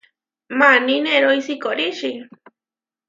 Maní nerói sikoríči.